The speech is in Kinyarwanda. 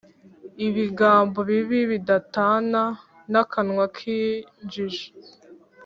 Ibigambo bibi bidatana n’akanwa k’injiji.